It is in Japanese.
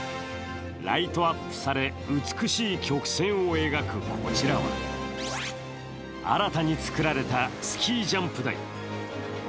ライトアップされ美しい曲線を描くこちらは新たに造られたスキージャンプ台。